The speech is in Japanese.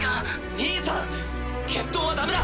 兄さん決闘はダメだ！